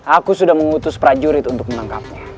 aku sudah mengutus prajurit untuk menangkapnya